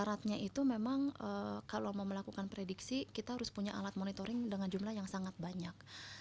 pertama kita harus memiliki alat monitoring yang sangat banyak